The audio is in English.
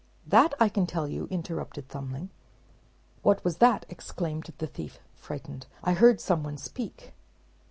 "That I can tell you," interrupted Thumbling. "What was that?" exclaimed the thief, frightened. "I heard some one speak."